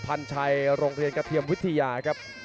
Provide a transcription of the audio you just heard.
พันชัยโรงเรียนกระเทียมวิทยาครับ